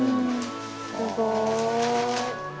すごーい。